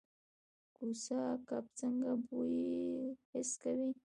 کوسه کب څنګه بوی حس کوي؟